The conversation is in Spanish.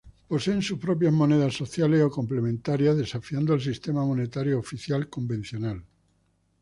Poseen sus propias monedas sociales o complementarias desafiando al sistema monetario oficial convencional.